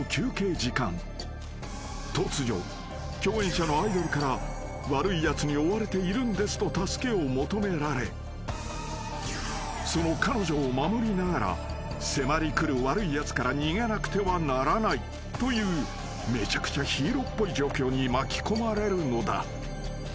［突如共演者のアイドルから悪いやつに追われているんですと助けを求められその彼女を守りながら迫りくる悪いやつから逃げなくてはならないというめちゃくちゃヒーローっぽい状況に巻き込まれるのだ］